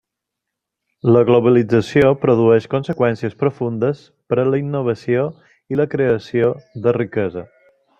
La globalització produeix conseqüències profundes per a la innovació i la creació de riquesa.